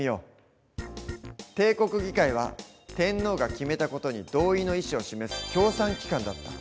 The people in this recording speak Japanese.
帝国議会は天皇が決めた事に同意の意思を示す協賛機関だった。